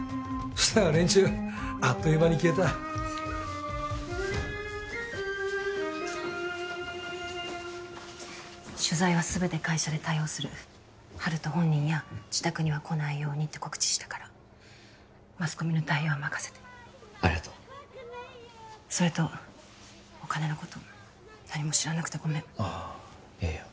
そうしたら連中あっという間に消えた取材は全て会社で対応する温人本人や自宅には来ないようにって告知したからマスコミの対応は任せてありがとうそれとお金のこと何も知らなくてごめんああいやいや